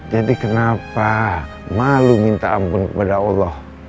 jadi kenapa malu minta ampun kepada allah